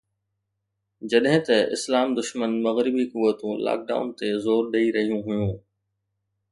جڏهن ته اسلام دشمن مغربي قوتون لاڪ ڊائون تي زور ڏئي رهيون هيون